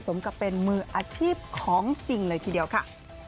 สมกับเป็นมืออาชีพของจริงเลยทีเดียวค่ะ